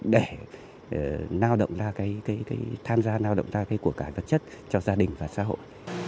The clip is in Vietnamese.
trong lao động để tham gia lao động ra cái của cả vật chất cho gia đình và xã hội